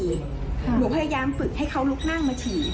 หนูพยายามฝึกให้เขาลุกนั่งมาฉี่